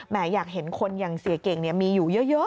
แม้อยากเห็นคนอย่างเสียเก่งเนี่ย